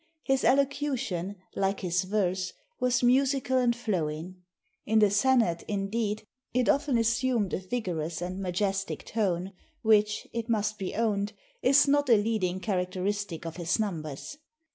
His elocution, like his verse, was musical and flowing. In the senate, indeed, it often assumed a vigorous and majestick tone, which, it must be owned, is not a leading characteristick of his numbers....